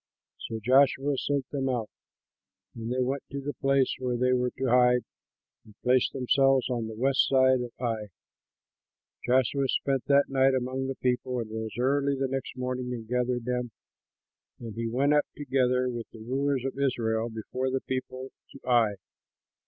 So Joshua sent them out, and they went to the place where they were to hide and placed themselves on the west side of Ai. Joshua spent that night among the people, and rose early the next morning and gathered them, and he went up, together with the rulers of Israel, before the people to Ai.